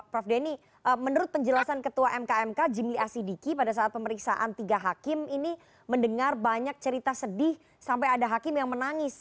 prof denny menurut penjelasan ketua mkmk jimli asidiki pada saat pemeriksaan tiga hakim ini mendengar banyak cerita sedih sampai ada hakim yang menangis